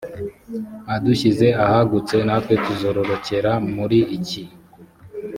adushyize ahagutse natwe tuzororokera muri iki